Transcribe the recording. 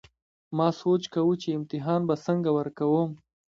ما سوچ کوو چې امتحان به څنګه ورکوم